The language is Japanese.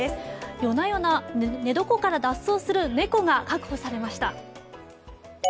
夜な夜な寝床から脱走する猫が確保されました。